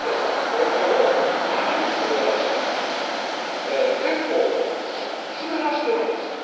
包丁を前に滑らして結構滑らしてるんですよ。